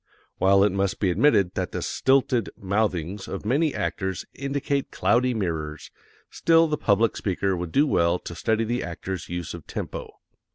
While it must be admitted that the stilted mouthings of many actors indicate cloudy mirrors, still the public speaker would do well to study the actor's use of tempo.